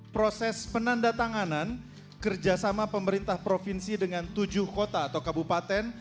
proses penanda tanganan kerjasama pemerintah provinsi dengan tujuh kota atau kabupaten